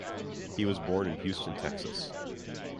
He was born in Houston, Texas.